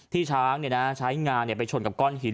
ที่ช้างเนี่ยนะใช้งานไปชนกับก้อนหิน